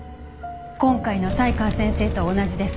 今回の才川先生と同じです。